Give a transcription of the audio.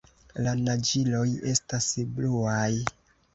La naĝiloj estas bluaj.